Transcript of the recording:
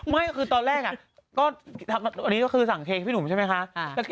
ไม่คือตอนแรกก็อันนี้ก็คือสั่งเพลงพี่หนุ่มใช่ไหมคะ